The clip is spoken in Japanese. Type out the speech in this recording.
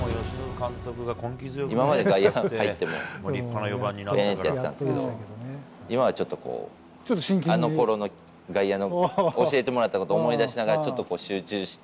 今まで外野、入っても、へーってやってたんですけど、今はちょっとこう、あのころの、外野の、教えてもらったことを思い出しながら、ちょっと集中して。